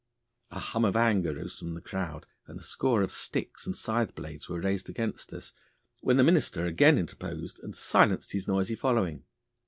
A hum of anger rose from the crowd, and a score of sticks and scythe blades were raised against us, when the minister again interposed and silenced his noisy following.